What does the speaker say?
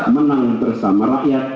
menang bersama rakyat